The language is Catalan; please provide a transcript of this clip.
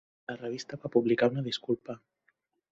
La revista va publicar una disculpa.